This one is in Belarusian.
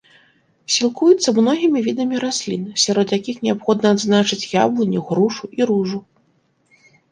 Сілкуецца многімі відамі раслін, сярод якіх неабходна адзначыць яблыню, грушу і ружу.